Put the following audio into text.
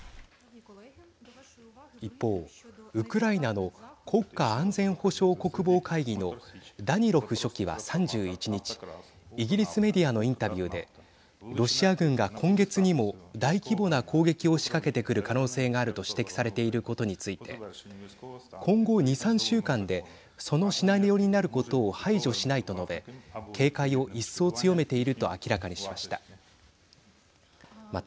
一方、ウクライナの国家安全保障・国防会議のダニロフ書記は３１日イギリスメディアのインタビューでロシア軍が今月にも大規模な攻撃を仕掛けてくる可能性があると指摘されていることについて今後２、３週間でそのシナリオになることを排除しないと述べ警戒を一層強めていると明らかにしました。